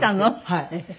はい。